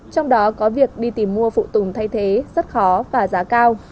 trong đó có việc đi tìm mua phụ tùng thay thế rất khó và giá cao